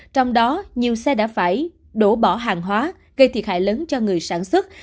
trong đó nhiều xe đã phải đổ bỏ hàng hóa gây thiệt hại lớn cho người sản xuất